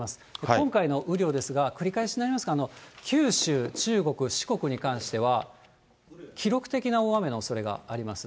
今回の雨量ですが、繰り返しになりますが、九州、中国、四国に関しては、記録的な大雨のおそれがあります。